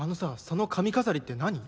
その髪飾りって何？